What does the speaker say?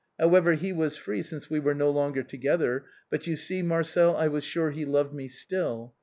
However, he was free since we were no longer together, but you see, Marcel, I was sure he loved me still.